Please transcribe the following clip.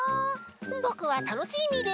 ぼくはタノチーミーです。